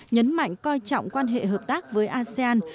nhấn mạnh coi trọng quan hệ hợp tác với asean